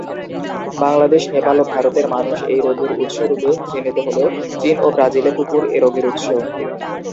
বাংলাদেশ, নেপাল ও ভারতের 'মানুষ' এই রোগের উৎস রূপে চিহ্নিত হলেও চীন ও ব্রাজিলে 'কুকুর' এই রোগের উৎস।